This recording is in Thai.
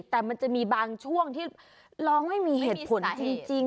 แต่มันจะมีบางช่วงที่ร้องไม่มีเหตุผลจริง